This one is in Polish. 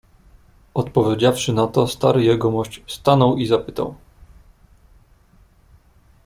"Odpowiedziawszy na to stary jegomość, stanął i zapytał."